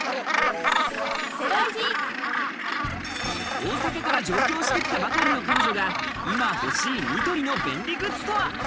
大阪から上京してきたばかりの彼女が今欲しいニトリの便利グッズとは？